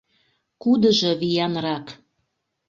Кудыжо виянрак?